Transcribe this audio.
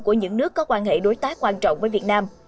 của những nước có quan hệ đối tác quan trọng với việt nam